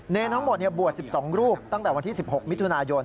ทั้งหมดบวช๑๒รูปตั้งแต่วันที่๑๖มิถุนายน